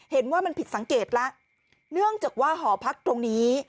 เห็นว่ามันผิดสังเกตแล้วเนื่องจากว่าหอพักตรงนี้